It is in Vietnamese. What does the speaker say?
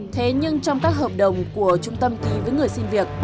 thế nhưng trong các hợp đồng của trung tâm ký với người xin việc